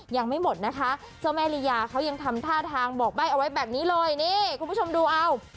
ยังไม่หมดนะคะเจ้าแม่ลียาเขายังทำท่าทางบอกใบ้เอาไว้แบบนี้เลยนี่คุณผู้ชมดูเอา